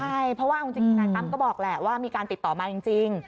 ใช่เพราะว่าเอาจริงทนายตั้มก็บอกแหละว่ามีการติดต่อมาจริง